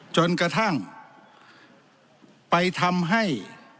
จนกระทั่งไปทำให้